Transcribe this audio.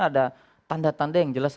ada tanda tanda yang jelas